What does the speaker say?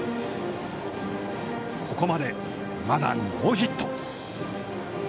ここまで、まだノーヒット。